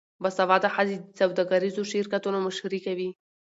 باسواده ښځې د سوداګریزو شرکتونو مشري کوي.